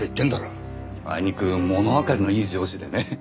あいにくものわかりのいい上司でね。